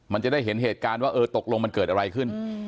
มันจะได้เห็นเหตุการณ์ว่าเออตกลงมันเกิดอะไรขึ้น